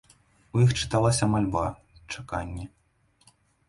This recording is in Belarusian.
У іх чыталася мальба, чаканне.